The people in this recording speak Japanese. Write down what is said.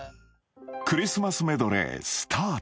クリスマスメドレースタート